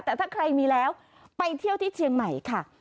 แต่ถ้าใครมีแล้วไปเที่ยวที่เชียงใหม่ค่ะ